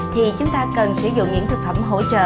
thì chúng ta cần sử dụng những thực phẩm hỗ trợ